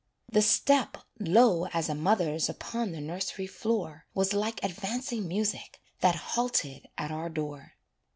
The step, low as a mother's Upon the nursery floor, Was like advancing music That halted at our door.